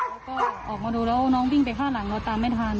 แล้วก็ออกมาดูแล้วน้องวิ่งไปข้างหลังเราตามไม่ทัน